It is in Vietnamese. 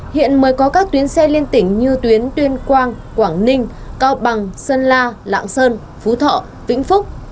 hiện mới có các tuyến xe liên tỉnh như tuyến tuyên quang quảng ninh cao bằng sơn la lạng sơn phú thọ vĩnh phúc